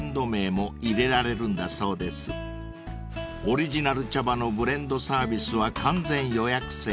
［オリジナル茶葉のブレンドサービスは完全予約制］